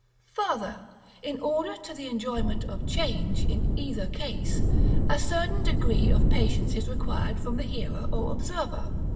§ XXXV. Farther: in order to the enjoyment of the change in either case, a certain degree of patience is required from the hearer or observer.